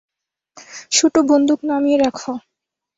শুটু, বন্দুক নামিয়ে রাখ!